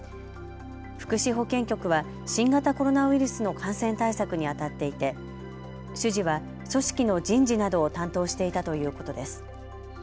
福祉保健局は新型コロナウイルスの感染対策にあたっていて主事は組織の人事などを担当していたということです。